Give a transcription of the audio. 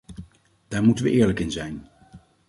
Daar moeten we eerlijk in zijn.